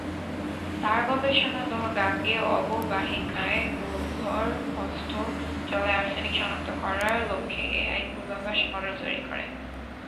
তার গবেষণা দল গাঙ্গেয় অববাহিকায় ভূগর্ভস্থ জলে আর্সেনিক সনাক্ত করার লক্ষ্যে এআই পূর্বাভাস মডেল তৈরি করেন।